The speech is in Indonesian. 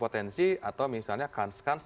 potensi atau misalnya kans kans